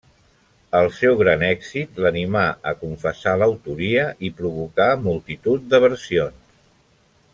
El seu gran èxit l'animà a confessar l'autoria i provocà multitud de versions.